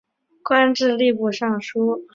官至吏部尚书。